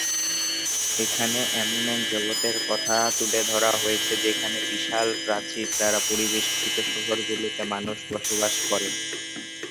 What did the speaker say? এখানে, এমন এক জগতের কথা তুলে ধরা হয়েছে যেখানে বিশাল প্রাচীর দ্বারা পরিবেষ্টিত শহরগুলোতে মানুষ বসবাস করে।